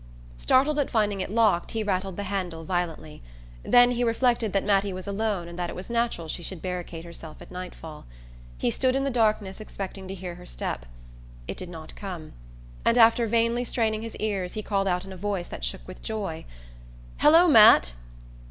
Startled at finding it locked he rattled the handle violently; then he reflected that Mattie was alone and that it was natural she should barricade herself at nightfall. He stood in the darkness expecting to hear her step. It did not come, and after vainly straining his ears he called out in a voice that shook with joy: "Hello, Matt!"